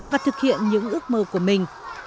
và thực hiện những ước mơ của mình